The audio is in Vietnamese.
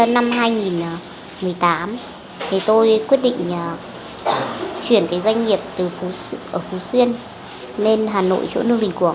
khi năm hai nghìn một mươi tám thì tôi quyết định chuyển cái doanh nghiệp ở phú xuyên lên hà nội chỗ nương bình quảng